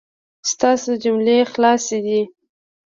ستاسو جملې خلاصې دي